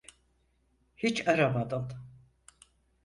Hiç aramadın.